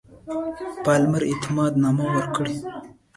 پالمر اعتماد نامه ورکړي.